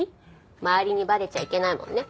周りにバレちゃいけないもんね。